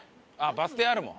バス停あるもん。